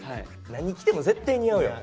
何着ても絶対似合うよ！